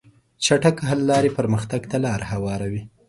چټک حل لارې پرمختګ ته لار هواروي.